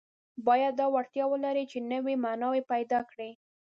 باید دا وړتیا ولري چې نوي معناوې پیدا کړي.